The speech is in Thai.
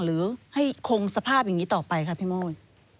หรือให้คงสภาพอย่างนี้ต่อไปค่ะพี่โมย